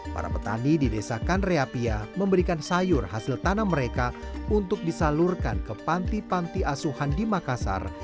para petani di desa kanreapia memberikan sayur hasil tanam mereka untuk disalurkan ke panti panti asuhan di makassar